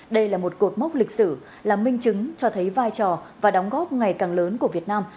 đây là một cột mốc lịch sử là minh chứng cho thấy vai trò và đóng góp ngày càng lớn của việt nam